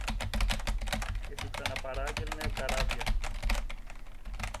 και σου ξαναπαράγγελνε καράβια